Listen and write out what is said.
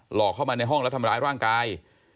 เข้ามาในห้องแล้วทำร้ายร่างกาย